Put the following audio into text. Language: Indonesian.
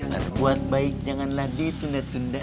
jangan buat baik jangan lagi tunda tunda